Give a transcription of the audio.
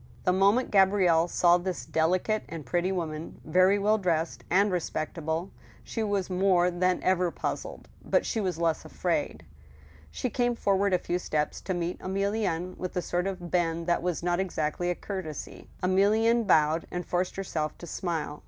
The moment Gabrielle saw this delicate and pretty woman, very well dressed, and respectable, she was more than ever puzzled, but she was less afraid. She came forward a few steps to meet Emilienne, with a sort of bend that was not exactly a courtesy. Emilienne bowed, and forced herself to smile.